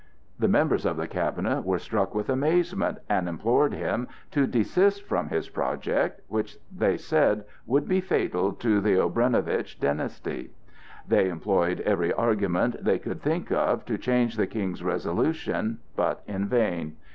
The members of the cabinet were struck with amazement, and implored him to desist from his project, which they said would be fatal to the Obrenovitch dynasty. They employed every argument they could think of to change the King's resolution; but in vain.